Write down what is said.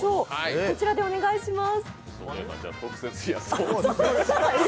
こちらでお願いします。